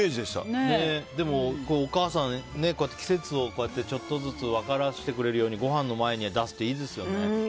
でもお母さん、季節をこうやって分からせてくれるようにごはんの前には出すっていいですね。